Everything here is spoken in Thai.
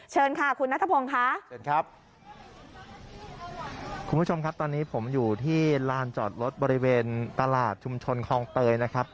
เชิญค่ะคุณนัทพงศ์ค่ะเชิญครับคุณผู้ชมครับตอนนี้ผมอยู่ที่ลานจอดรถบริเวณตลาดชุมชนคลองเตยนะครับ